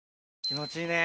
気持ちいいね。